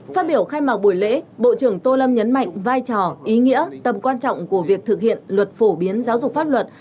phát biểu khai mạc buổi lễ bộ trưởng tô lâm nhấn mạnh vai trò ý nghĩa tầm quan trọng của việc thực hiện luật phổ biến giáo dục pháp luật